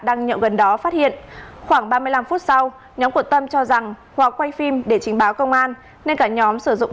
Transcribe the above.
đang nhậu gần đó phát hiện khoảng ba mươi năm phút sau nhóm của tâm cho rằng hòa quay phim để trình báo công an nên cả nhóm sử dụng